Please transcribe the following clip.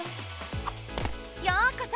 ようこそ！